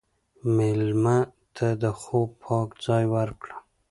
مېلمه ته د خوب پاک ځای ورکړه.